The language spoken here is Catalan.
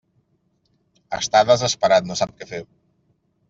Està desesperat, no sap què fer.